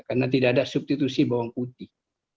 karena tidak ada substitusi bawang putih